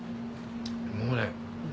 もうね。